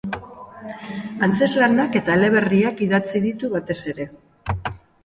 Antzezlanak eta eleberriak idatzi ditu batez ere.